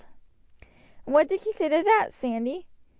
"And what did she say to that, Sandy?"